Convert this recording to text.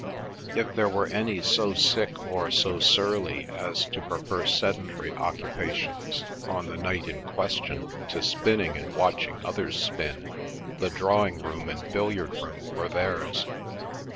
If there were any so sick or so surly as to prefer sedentary occupations on the night in question to spinning and watching others spin, the drawing room and billiard room were theirs.